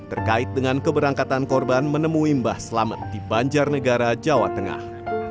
terkait dengan keberangkatan korban menemui bah selamet di banjar negara jawa tengah